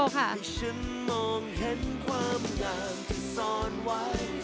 ที่ฉันมองเห็นความดังที่ซ่อนไว้